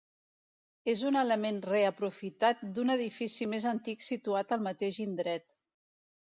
És un element reaprofitat d'un edifici més antic situat al mateix indret.